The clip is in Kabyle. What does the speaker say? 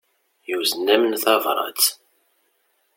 Yuzen-am-n tabrat.